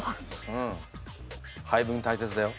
うん配分大切だよ。